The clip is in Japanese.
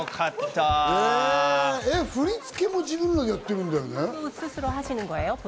振り付けも自分らでやってるんだよね？